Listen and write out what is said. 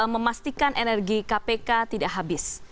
memastikan energi kpk tidak habis